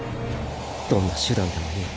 どんな手段でもいい。